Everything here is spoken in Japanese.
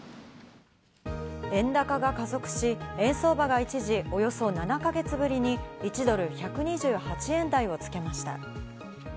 円高が加速し、円相場が一時およそ７か月ぶりに１ドル＝１２８円台をつけました。